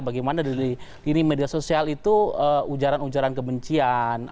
bagaimana media sosial itu ujaran ujaran kebencian